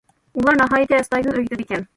ئۇلار ناھايىتى ئەستايىدىل ئۆگىتىدىكەن.